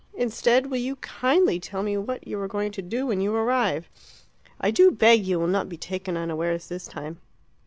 Instead, will you kindly tell me what you are going to do when you arrive. I do beg you will not be taken unawares this time."